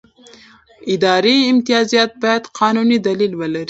اداري امتیاز باید قانوني دلیل ولري.